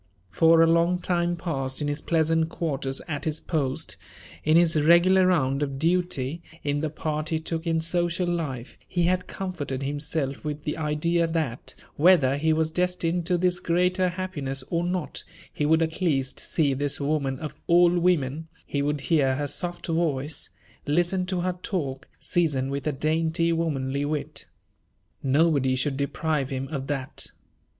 For a long time past in his pleasant quarters at his post, in his regular round of duty, in the part he took in social life, he had comforted himself with the idea that, whether he was destined to this greater happiness or not, he would at least see this woman of all women; he would hear her soft voice, listen to her talk, seasoned with a dainty, womanly wit. Nobody should deprive him of that.